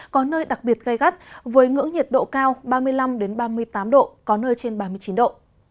có nơi đặc biệt gai gắt với ngưỡng nhiệt độ cao ba mươi năm ba mươi tám độ có nơi trên ba mươi chín độ